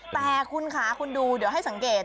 แต่คุณค่ะคุณดูเดี๋ยวให้สังเกต